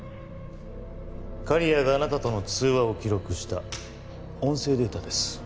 刈谷があなたとの通話を記録した音声データです。